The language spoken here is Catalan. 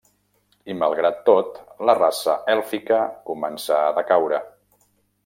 I malgrat tot, la raça èlfica començà a decaure.